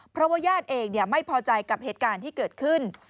เพราะว่าญาติเองไม่พอใจกับเหตุการณ์ที่เกิดขึ้น